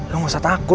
lo nggak usah takut